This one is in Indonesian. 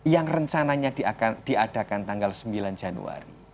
yang rencananya diadakan tanggal sembilan januari